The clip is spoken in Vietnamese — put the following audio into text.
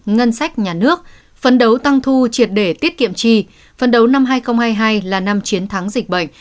ngân sách nhà nước phấn đấu tăng thu triệt để tiết kiệm trì phấn đấu năm hai nghìn hai mươi hai là năm chiến thắng dịch bệnh